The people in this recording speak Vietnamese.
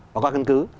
và có cân cứ